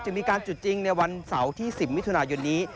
จะมีการจุดจริงในวันเสาร์ที่๑๐มิถุนายนนี้